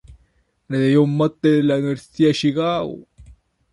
Recibió su master en la Universidad de Chicago.